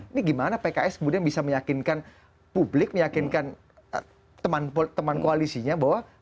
ini gimana pks kemudian bisa meyakinkan publik meyakinkan teman koalisinya bahwa